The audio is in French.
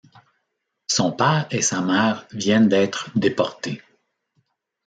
Son père et sa mère viennent d'être déportés.